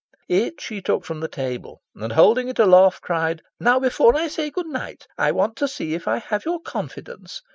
It she took from the table, and, holding it aloft, cried "Now, before I say good night, I want to see if I have your confidence.